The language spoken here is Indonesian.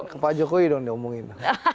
ke pak jokowi dong diomongin